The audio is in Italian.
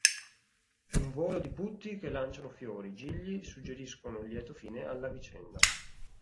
Un volo di putti che lanciano fiori, gigli, suggeriscono il lieto fine alla vicenda.